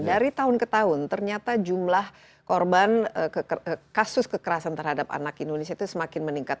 dari tahun ke tahun ternyata jumlah korban kasus kekerasan terhadap anak indonesia itu semakin meningkat